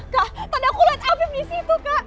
kak tadi aku liat afif di situ kak